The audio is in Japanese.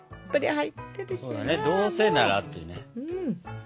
どうせならっていうね。